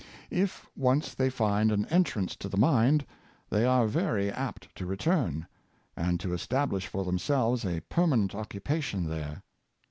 If once they find an entrance to the mind, they are very apt to return, and to establish for themselves a perma nent occupation there.